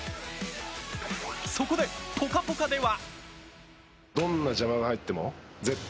そこで「ぽかぽか」では。